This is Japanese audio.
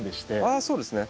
あそうですね。